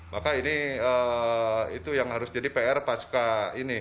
maka ini itu yang harus jadi pr pasca ini